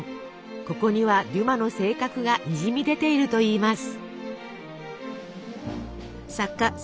ここにはデュマの性格がにじみ出ているといいます。